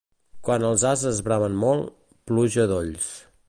Quan els ases bramen molt, pluja a dolls.